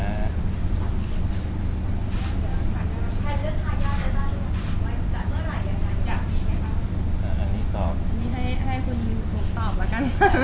อันนี้ให้คุณตอบแล้วกัน